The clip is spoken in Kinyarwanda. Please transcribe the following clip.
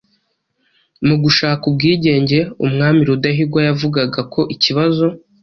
Mu gushaka ubwigenge, Umwami Rudahigwa yavugaga ko ikibazo